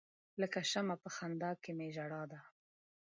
لکه شمع په خندا کې می ژړا ده.